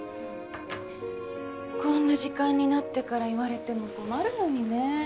こんな時間になってから言われても困るのにね。